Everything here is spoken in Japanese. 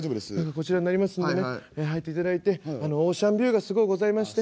「こちらになりますのでね入っていただいてあのオーシャンビューがすごうございまして」。